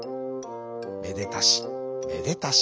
めでたしめでたし。